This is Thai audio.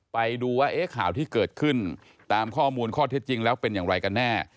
ไปดูว่าข่าวที่เกิดขึ้นตามข้อมูลข้อเท็จจริงแล้วเป็นอย่างไรกันแน่